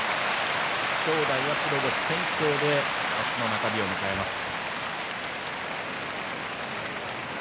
正代が白星先行で明日の中日を迎えます。